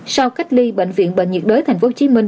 sau cách ly bệnh viện bệnh nhiệt đới thành phố hồ chí minh